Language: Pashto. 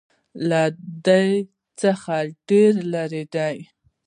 له ده څخه ډېر لرې دي.